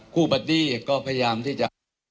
คู่ปฏิก็พยายามที่จะ